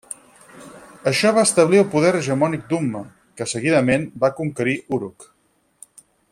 Això va establir el poder hegemònic d'Umma, que seguidament va conquerir Uruk.